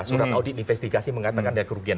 surat audit investigasi mengatakan ada kerugian